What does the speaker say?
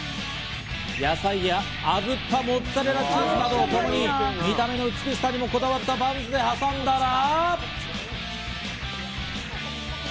野菜や炙ったモッツァレラチーズなど、見た目の美しさにもこだわったバンズで挟んだら。